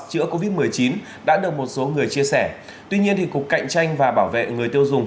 chữa covid một mươi chín đã được một số người chia sẻ tuy nhiên cục cạnh tranh và bảo vệ người tiêu dùng